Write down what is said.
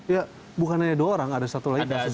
ya bukan hanya dua orang ada satu lagi ada zulfiqar ali